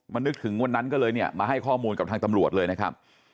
นึกถึงวันนั้นก็เลยเนี่ยมาให้ข้อมูลกับทางตำรวจเลยนะครับ